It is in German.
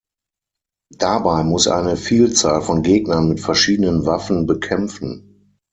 Dabei muss er eine Vielzahl von Gegnern mit verschiedenen Waffen bekämpfen.